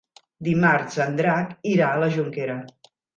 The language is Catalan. Dimarts en Drac irà a la Jonquera.